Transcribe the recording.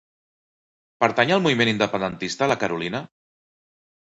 Pertany al moviment independentista la Karolina?